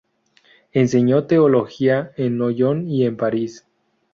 Enseñó teología en Noyon y en París.